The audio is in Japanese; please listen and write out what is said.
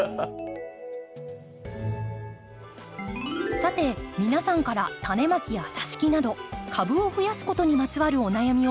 さて皆さんから種まきやさし木など株をふやすことにまつわるお悩みを募集します。